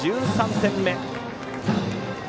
１３点目。